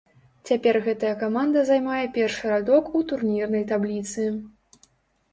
Цяпер гэтая каманда займае першы радок у турнірнай табліцы.